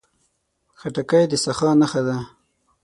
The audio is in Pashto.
خټکی د سخا نښه ده.